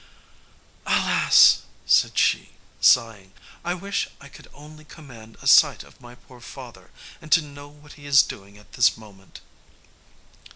"Alas!" said she, sighing, "I wish I could only command a sight of my poor father, and to know what he is doing at this moment."